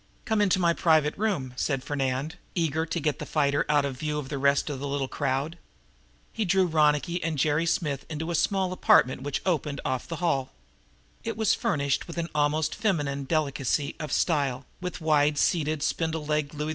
"Come into my private room," said Fernand, eager to get the fighter out of view of the rest of the little crowd. He drew Ronicky and Jerry Smith into a little apartment which opened off the hall. It was furnished with an almost feminine delicacy of style, with wide seated, spindle legged Louis XV.